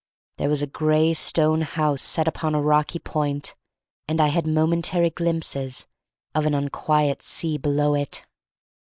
There was a gray stone house set upon a rocky point, and I had momentary glimpses of an unquiet sea below it.